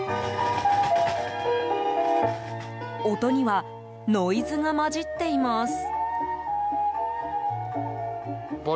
音にはノイズが混じっています。